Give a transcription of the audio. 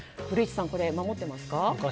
古市さん、これ守ってますか。